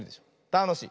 たのしい。